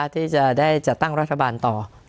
ที่จะได้จัดตั้งรัฐบาลต่อ